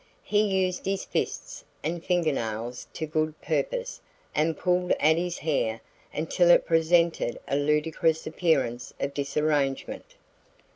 He used his fists and fingernails to good purpose and pulled Addie's hair until it presented a ludicrous appearance of disarrangement.